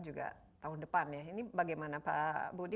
juga tahun depan ya ini bagaimana pak budi